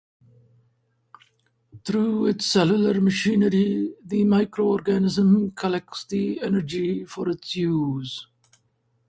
Through its cellular machinery, the microorganism collects the energy for its use.